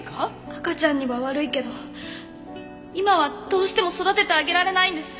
赤ちゃんには悪いけど今はどうしても育ててあげられないんです。